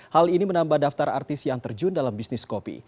hal ini menambah daftar artis yang terjun dalam bisnis kopi